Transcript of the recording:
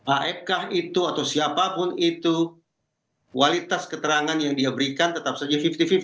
aekah itu atau siapapun itu kualitas keterangan yang dia berikan tetap saja lima puluh lima puluh